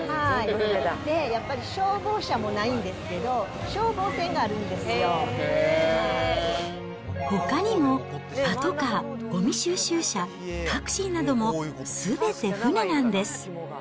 消防車もないんですけど、消ほかにもパトカー、ごみ収集車、タクシーなども、すべて船なんです。